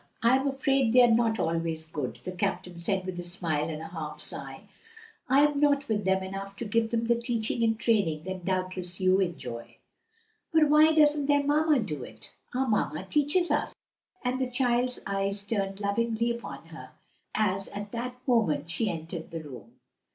"I am afraid they are not always good," the captain said with a smile and a half sigh. "I am not with them enough to give them the teaching and training that doubtless you enjoy." "But why doesn't their mamma do it? Our mamma teaches us;" and the child's eyes turned lovingly upon her as at that moment she entered the room.